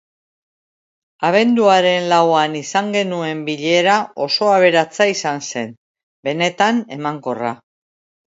Abenduaren lauan izan genuen bilera oso aberatsa izan zen, benetan emankorra.